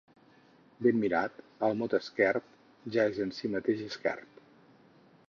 Ben mirat, el mot esquerp ja és en si mateix esquerp.